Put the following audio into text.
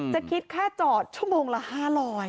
จะคิดค่าจอดชั่วโมงละ๕๐๐